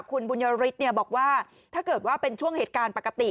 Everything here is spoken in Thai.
คุณบุญยฤทธิ์บอกว่าถ้าเกิดว่าเป็นช่วงเหตุการณ์ปกติ